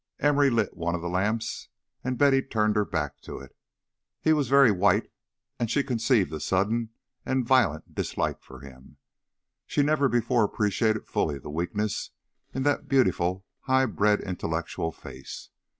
Emory lit one of the lamps, and Betty turned her back to it. He was very white, and she conceived a sudden and violent dislike to him. She never before had appreciated fully the weakness in that beautiful high bred intellectual face.